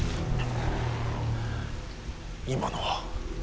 今のは。